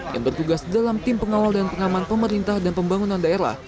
yang bertugas dalam tim pengawal dan pengaman pemerintah dan pembangunan daerah